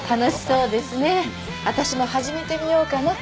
私も始めてみようかな